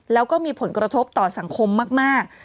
แล้วก็มีผลกระทบต่อสังคมมาก